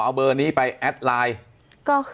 เอาเบอร์นี้ไปแอดไลน์